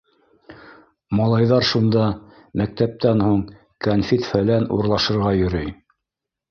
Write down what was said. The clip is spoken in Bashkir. Малайҙар шунда мәктәптән һуң кәнфит-фәлән урлашырға йөрөй.